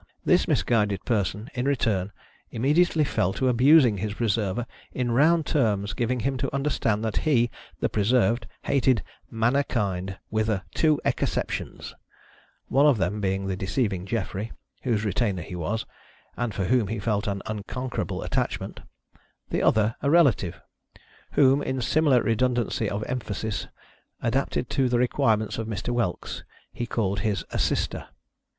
This misguided person, in return, immediately fell to abusing his preserver in round terms, giving him to understand that he (the preserved) hated "manerkind, wither two eekerceptions," one of them being the deceiving Geoffrey, whose retainer he was, and for whom he felt an uncon querable attachment ; the other, a relative, whom, in a sim 174 THE AMUSEMENTS OP THE PEOPLE. ilar redundancy of emphasis, adapted to the requirementa of Mr. Whelks, he called his "assister."